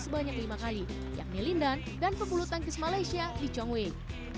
sebanyak lima kali yakni lindan dan pebulu tangkis malaysia di chong wei